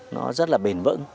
nó rất là bền vững